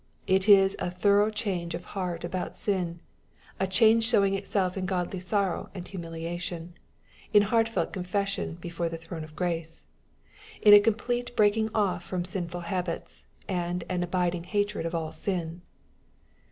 It is a thorough change of heart about sin, 5 change showing itself in godly sorrow and humiliation,— in heartfelt confession before the throne of grace, — ^in a complete breaking off from sinful habits, wd an abiding hatred of all sin.